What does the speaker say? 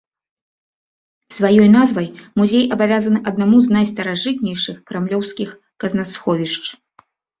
Сваёй назвай музей абавязаны аднаму з найстаражытнейшых крамлёўскіх казнасховішч.